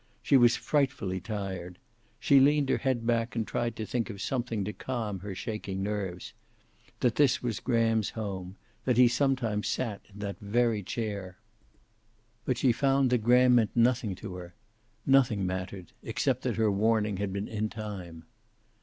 She was frightfully tired. She leaned her head back and tried to think of something to calm her shaking nerves, that this was Graham's home, that he sometimes sat in that very chair. But she found that Graham meant nothing to her. Nothing mattered, except that her warning had been in time.